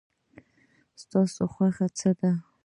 ستا خوښی څه ده؟